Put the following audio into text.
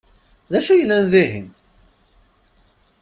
D acu i yellan dihin?